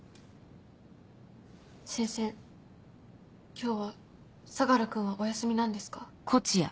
今日は相楽君はお休みなんですか？